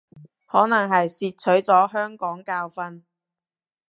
可能係汲取咗香港教訓